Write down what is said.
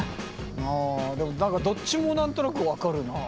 あでも何かどっちも何となく分かるな。